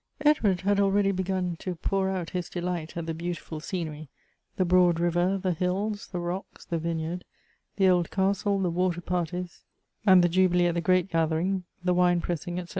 95 Edward had already begun to pour out his delight at the beautiful scenery, the broad river, the hills, the rocks, the vineyard, the old castle, the water parties, and the jubilee at the grape gathering, the wine pressing, etc.